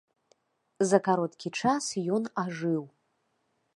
За кароткі час ён ажыў.